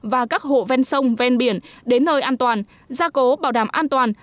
và các hộ ven sông ven biển đến nơi an toàn gia cố bảo đảm an toàn